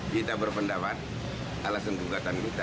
kita berpendapat alasan gugatan kita